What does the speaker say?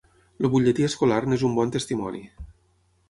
El Butlletí escolar n'és un bon testimoni.